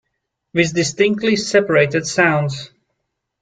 With distinctly separated sounds.